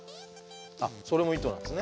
あっそれも糸なんですね。